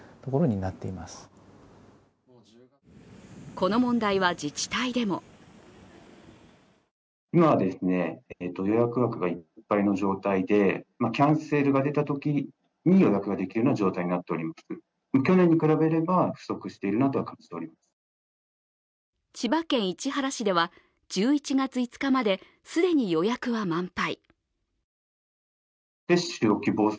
この問題は自治体でも千葉県市原市では、１１月５日まで既に予約は満杯。